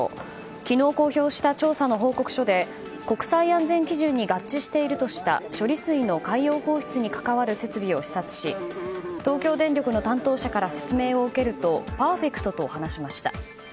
昨日公表した調査の報告書で国際安全基準に合致しているとした処理水の海洋放出に関わる施設を視察し東京電力の担当者から説明を受けるとパーフェクトと話しました。